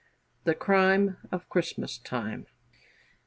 THE CRIME OF CHRISTMASTIME.